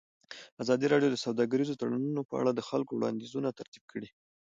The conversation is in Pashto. ازادي راډیو د سوداګریز تړونونه په اړه د خلکو وړاندیزونه ترتیب کړي.